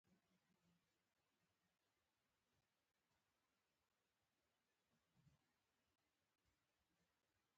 په کرمان کې د افغانانو شمیر سل هاو زرو ته رسیدلی وي.